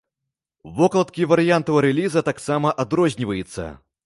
Вокладкі варыянтаў рэліза таксама адрозніваецца.